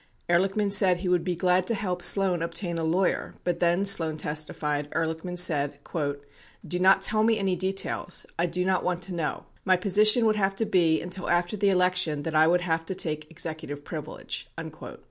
Ehrlichman said he would be glad to help Sloan obtain a lawyer, but then, Sloan testi fied, Ehrlichman said, "Do not tell me any details ; I do not want to know; my position would have to be until after the election that I would have to take executive privilege."